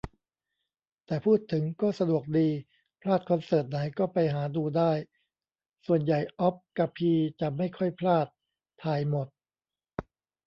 แต่พูดถึงก็สะดวกดี พลาดคอนเสิร์ตไหน ก็ไปหาดูได้ ส่วนใหญ่อ๊อบกะพีจะไม่ค่อยพลาด ถ่ายหมด